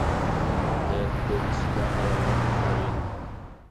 ھايات كوچىسىدا ئاۋايلاپ ماڭايلى !